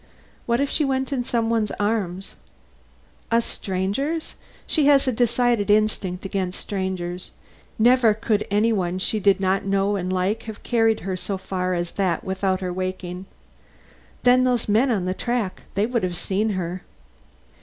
"What if she went in some one's arms?" "A stranger's? She had a decided instinct against strangers. Never could any one she did not know and like have carried her so far as that without her waking. Then those men on the track, they would have seen her.